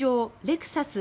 レクサス